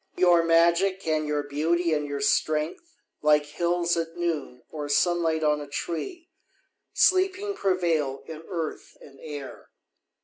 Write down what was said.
... Your magic and your beauty and your strength, Like hills at noon or sunlight on a tree, Sleeping prevail in earth and air.